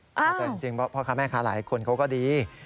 แต่จริงพ่อค้าแม่ค้าหลายคนเขาก็ดี